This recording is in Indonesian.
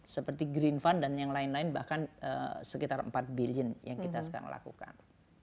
seperti green fund dan yang lain lain bahkan sekitar empat billion yang kita sekarang lakukan